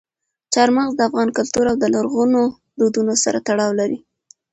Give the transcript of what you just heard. چار مغز د افغان کلتور او لرغونو دودونو سره تړاو لري.